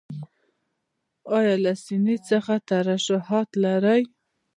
ایا له سینې څخه ترشحات لرئ؟